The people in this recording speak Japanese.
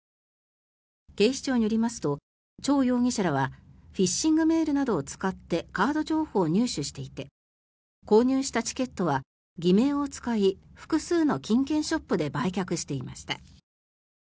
警視庁によりますとチョウ容疑者らはフィッシングメールなどを使ってカード情報を入手していて購入したチケットは偽名を使い複数の金券ショップで売却していました。